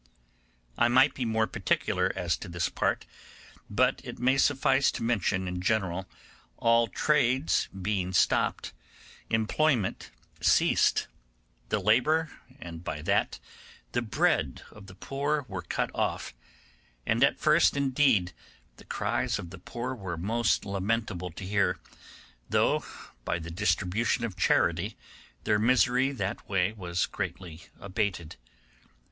I might be more particular as to this part, but it may suffice to mention in general, all trades being stopped, employment ceased: the labour, and by that the bread, of the poor were cut off; and at first indeed the cries of the poor were most lamentable to hear, though by the distribution of charity their misery that way was greatly abated.